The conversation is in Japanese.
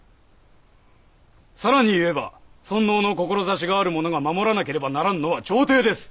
更に言えば尊王の志がある者が守らなければならんのは朝廷です。